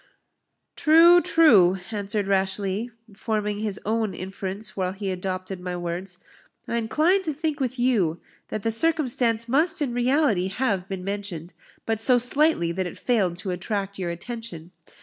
"True, true," answered Rashleigh, forming his own inference while he adopted my words; "I incline to think with you, that the circumstance must in reality have been mentioned, but so slightly that it failed to attract your attention.